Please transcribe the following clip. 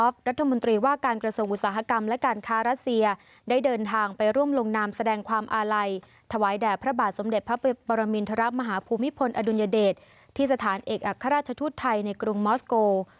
พระบาทสมเด็จพระปรมิณธรรมหาภูมิพลอดุลยเดชที่สถานเอกอัครราชทุทธิ์ไทยในกรุงมอสโกล